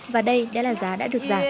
và đây đây là giá đã được giảm